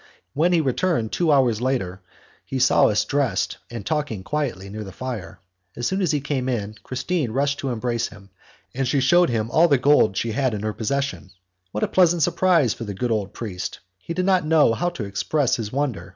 When he returned two hours later, he saw us dressed and talking quietly near the fire. As soon as he came in, Christine rushed to embrace him, and she shewed him all the gold she had in her possession. What a pleasant surprise for the good old priest! He did not know how to express his wonder!